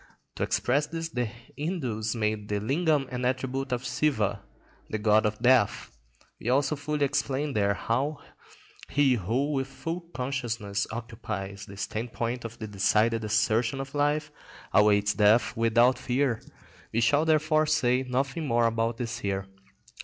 To express this the Hindus made the lingam an attribute of Siva, the god of death. We also fully explained there how he who with full consciousness occupies the standpoint of the decided assertion of life awaits death without fear. We shall therefore say nothing more about this here.